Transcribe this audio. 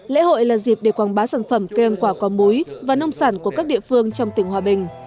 lễ hội là dịp để quảng bá sản phẩm cây ăn quả có múi và nông sản của các địa phương trong tỉnh hòa bình